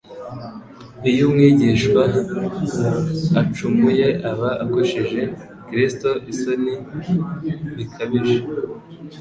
Iyo umwigishwa acumuye aba akojeje Kristo isoni bikabije.